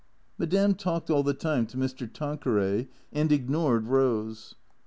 Madame talked all the time to Mr. Tanqueray and ignored Rose.